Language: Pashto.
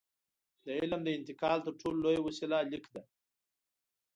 د علم د انتقال تر ټولو لویه وسیله لیک ده.